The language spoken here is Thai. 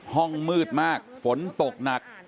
ห้องมืดมากฝนตกหนัก